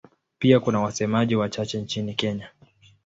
Pia kuna wasemaji wachache nchini Kenya.